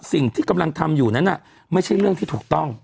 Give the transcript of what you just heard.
สิ่งที่กำลังทำอยู่นั้นไม่ใช่เรื่องที่ถูกต้อง